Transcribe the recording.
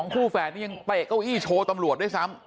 คู่แฝดนี้ยังเตะเก้าอี้โชว์ตำรวจด้วยซ้ำ